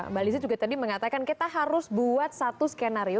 mbak lizzie juga tadi mengatakan kita harus buat satu skenario